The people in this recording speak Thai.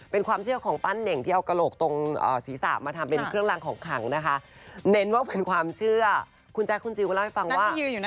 พี่พึ้งค่ะซึ่งค้อนข้างจะแบบ